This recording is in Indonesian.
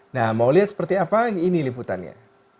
nah mau lihat seperti apa ini liputannya